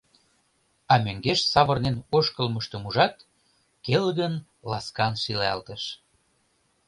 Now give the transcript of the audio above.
А мӧҥгеш савырнен ошкылмыштым ужат, келгын, ласкан шӱлалтыш.